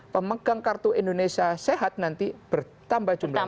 pemegang kartu indonesia sehat nanti bertambah jumlahnya